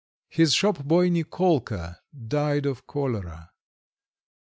His shop boy Nikolka died of cholera.